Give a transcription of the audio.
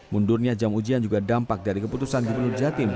mundurnya jam ujian juga dampak dari keputusan gubernur jatim